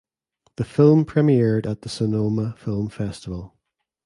The film premiered at the Sonoma Film Festival.